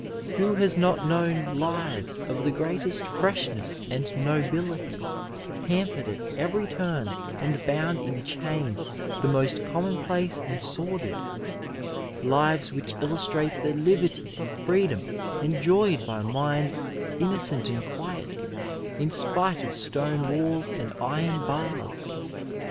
Who has not known lives of the greatest freshness and nobility hampered at every turn and bound in chains the most commonplace and sordid, lives which illustrate the liberty and freedom enjoyed by minds innocent and quiet, in spite of stone walls and iron bars.